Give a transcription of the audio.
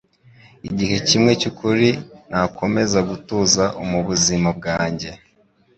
Igihe kimwe cyukuri nakomeza gutuza Mubuzima bwanjye